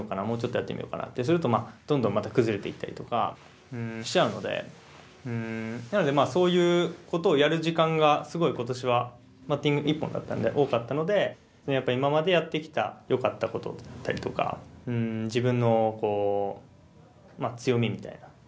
もうちょっとやってみようかなってするとどんどんまた崩れていったりとかしちゃうのでなのでそういうことをやる時間がすごい今年はバッティング一本だったので多かったのでやっぱり今までやってきたよかったことだったりとか自分の強みみたいな。